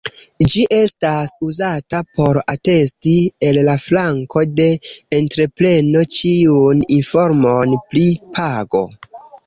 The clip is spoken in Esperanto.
Ĝi estas uzata por atesti el la flanko de entrepreno ĉiun informon pri pago.